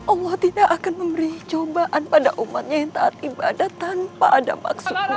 allah tidak akan memberi cobaan pada umatnya yang tak tiba tiba tanpa ada maksudnya